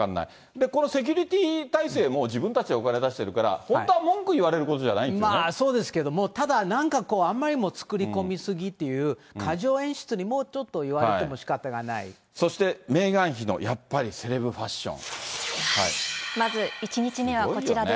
で、このセキュリティー体制も自分たちでお金出してるから、本当は文句言われることじゃないんでそうですけれども、ただなんか、あまりにも作り込み過ぎっていう、過剰演出にもちょっと言われても仕方がない。そして、メーガン妃の、やっぱりセレブファッション。